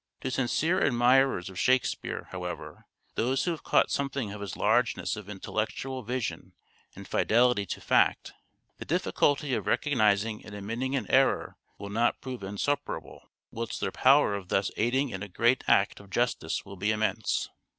To sincere admirers of " Shakespeare," however, those who have caught something of his largeness of intellectual vision and fidelity to fact, the difficulty of recogniz ing and admitting an error will not prove insuperable, whilst their power of thus aiding in a great act of justice will be immense.